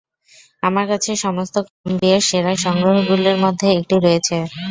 আমার কাছে সমস্ত কলম্বিয়ার সেরা সংগ্রহগুলির মধ্যে একটি রয়েছে।